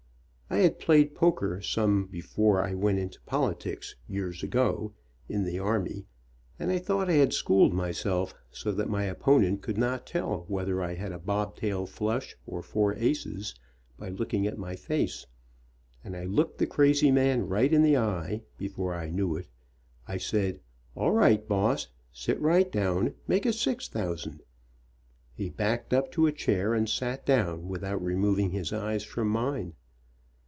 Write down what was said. I had played poker some before I went into politics, years ago, in the army, and thought I had schooled myself so that my opponent could not tell whether I had a bob tail flush or four aces, by look ing at my face, and I looked the crazy man right in the eye, and before I knew it I said, "All right, boss ; sit right down. Make it six thousand." He backed up to a chair and sat down, without removing his eyes from mine.